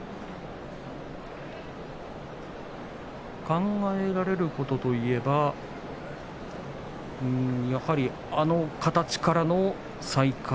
考えられることといえばやはりあの形からの再開。